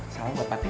salam buat pati cri